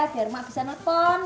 biar emak bisa telepon